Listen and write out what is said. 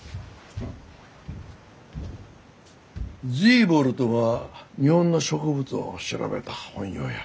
ズィーボルトが日本の植物を調べた本よや。